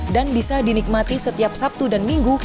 dan bisa dinikmati setiap sabtu dan minggu